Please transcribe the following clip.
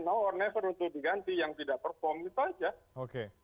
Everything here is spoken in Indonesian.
no or never untuk diganti yang tidak perform itu aja